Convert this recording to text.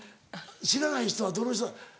知らない人はどの人？